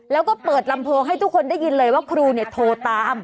แล้วก็เปิดลำโพงให้ทุกคนได้ยินเลยว่าครูโทรตาม